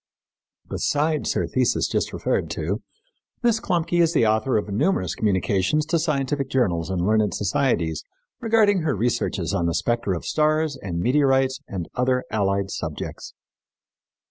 Besides her thesis just referred to, Miss Klumpke is the author of numerous communications to scientific journals and learned societies regarding her researches on the spectra of stars and meteorites and other allied subjects.